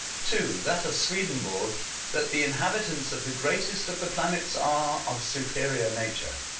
(2) That of Swedenborg, that the inhabitants of the greatest of the planets are of superior nature.